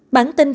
bản tin phòng